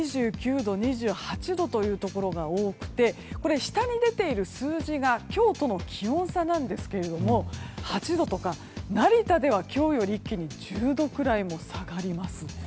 ２９度、２８度というところが多くて、下に出ている数字が今日との気温差なんですが８度とか成田では今日より一気に１０度くらいも下がります。